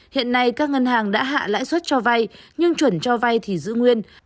hiện nay các ngân hàng đã hạ lãi suất cho vai nhưng chuẩn cho vai thì giữ nguyên